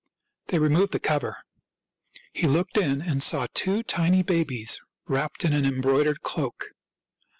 They removed the cover. He looked in and saw twp tiny babies, wrapped in an embroidered cloak.